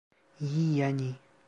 İyi yani.